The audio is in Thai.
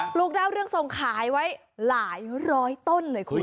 ลูกดาวเรืองทรงขายไว้หลายร้อยต้นเลยคุณ